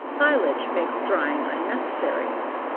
Silage makes drying unnecessary.